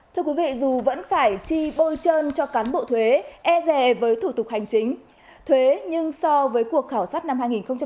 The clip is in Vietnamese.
thưa quý vị dù vẫn phải chi bôi trơn cho cán bộ thuế e rè với thủ tục hành chính thuế nhưng so với cuộc khảo sát năm hai nghìn một mươi ba